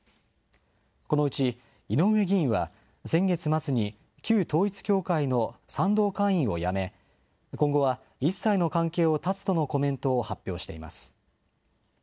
このうち井上議員は、先月末に旧統一教会の賛同会員をやめ、今後は一切の関係を断つとのコメントを発表しています。